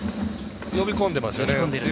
呼び込んでいますよね。